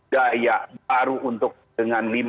daya baru untuk dengan lima m